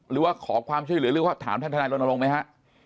หรือว่าขอความช่วยเหลือหรือว่าถามท่านทนายรณรงค์ไหมฮะ